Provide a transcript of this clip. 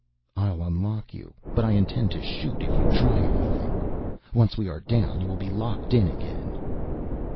"I'll unlock you, but I intend to shoot if you try anything. Once we are down you will be locked in again."